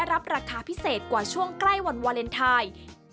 ในวันวาเลนไทย